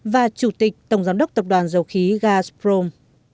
và chủ tịch tổng giám đốc tập đoàn dầu khí gaprom